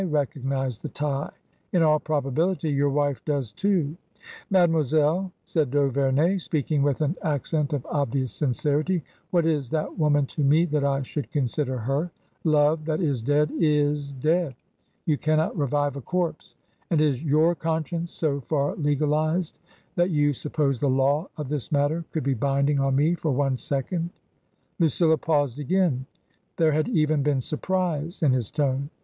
recognise the tie. In all probability, your wife does too." " Mademoiselle," said d'Auvemey, speaking with an accent of obvious sincerity, " what is that woman to me that I should consider her ? Love that is dead is dead. You cannot revive a corpse. And is your conscience so far legalized that you suppose the law of this matter could be binding on me for one second ?" Lucilla paused again. There had even been surprise in his tone.